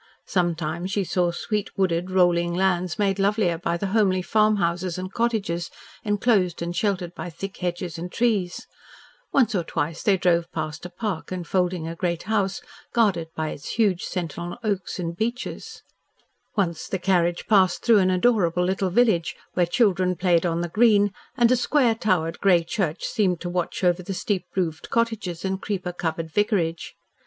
Sometimes she saw sweet wooded, rolling lands made lovelier by the homely farmhouses and cottages enclosed and sheltered by thick hedges and trees; once or twice they drove past a park enfolding a great house guarded by its huge sentinel oaks and beeches; once the carriage passed through an adorable little village, where children played on the green and a square towered grey church seemed to watch over the steep roofed cottages and creeper covered vicarage.